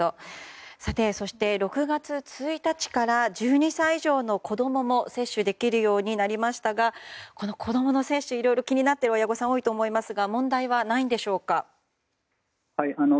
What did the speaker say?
そして６月１日から１２歳以上の子供も接種できるようになりましたが子供の接種いろいろ気になっている親御さん多いと思いますが問題はないんでしょうか？